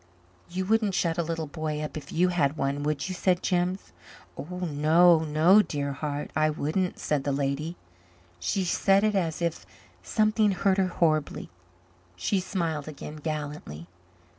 "You wouldn't shut a little boy up if you had one, would you?" said Jims. "No no, dear heart, I wouldn't," said the lady. She said it as if something hurt her horribly. She smiled again gallantly.